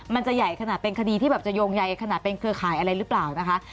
มันจะใหญ่ขนาดเป็นคดีที่แบบจะโยงใหญ่ขนาดเป็นเครือข่ายอะไรหรือเปล่านะคะ